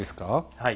はい。